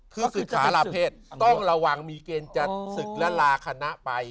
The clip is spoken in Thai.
คือศึกษาลาเพศต้องระวังมีเกณฑ์จะศึกและลาคณะไป